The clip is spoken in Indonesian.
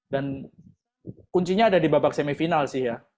dan kuncinya ada di babak semifinal sih ya